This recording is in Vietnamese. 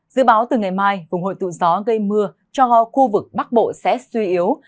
dự báo từ ngày mai vùng hội tụ gió gây mưa cho khu vực bắc bộ sẽ suy yếu